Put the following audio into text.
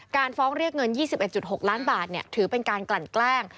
การฟ้องเรียกเงิน๒๑๖ล้านบาทถือเป็นการกลั่นแกล้ง